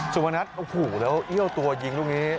สุพนัทโอ้โหแล้วเอี้ยวตัวยิงลูกนี้